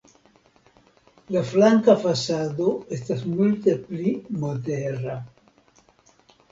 La flanka fasado estas multe pli modera.